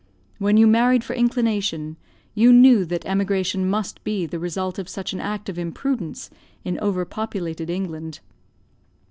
When you married for inclination, you knew that emigration must be the result of such an act of imprudence in over populated England.